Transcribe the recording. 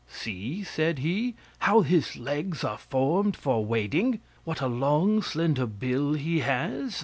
"See," said he, "how his legs are formed for wading! What a long slender bill he has!